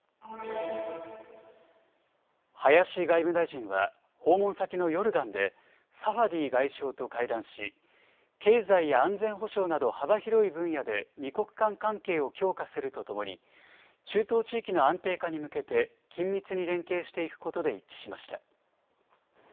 林外務大臣は訪問先のヨルダンでサファディ外相と会談し経済や安全保障など幅広い分野で二国間関係を強化するとともに中東地域の安定化に向けて緊密に連携していくことで一致しました。